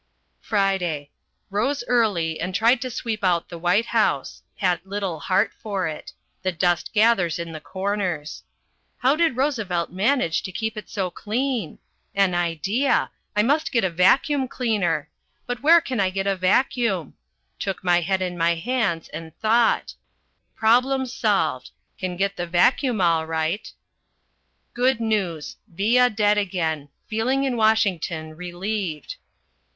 FRIDAY. Rose early and tried to sweep out the White House. Had little heart for it. The dust gathers in the corners. How did Roosevelt manage to keep it so clean? An idea! I must get a vacuum cleaner! But where can I get a vacuum? Took my head in my hands and thought: problem solved. Can get the vacuum all right. Good news. Villa dead again. Feeling in Washington relieved.